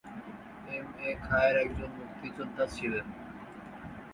M A Khayer একজন মুক্তিযোদ্ধা ছিলেন।